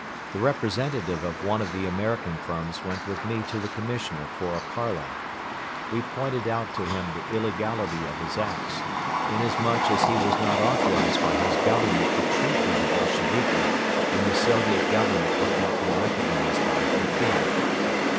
The representative of one of the American firms went with me to the Commissioner for a parley. We pointed out to him the illegality of his acts, inasmuch as he was not authorized by his Government to treat with the Bolsheviki when the Soviet Government had not been recognized by Peking.